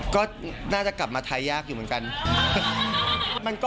ก็น่าจะกลับมาไทยยากอยู่เหมือนกัน